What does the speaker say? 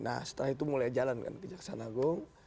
nah setelah itu mulai jalan kan kejaksaan agung